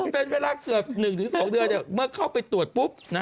เป็นเวลาเกือบ๑๒เดือนเมื่อเข้าไปตรวจปุ๊บ